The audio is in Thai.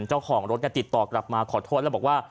เจ้าของรถติดต่อกลับมาขอโทษแล้วบอกว่า